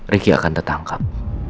riki akan tertangkap